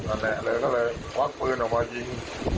อันนี้เลยก็เลยวักปืนออกมายิง